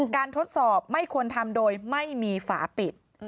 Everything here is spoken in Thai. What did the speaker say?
ทดสอบไม่ควรทำโดยไม่มีฝาปิด